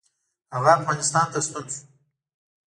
هغه افغانستان ته ستون شو.